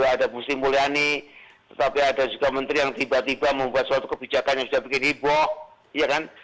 ada bu sri mulyani tetapi ada juga menteri yang tiba tiba membuat suatu kebijakan yang sudah bikin heboh ya kan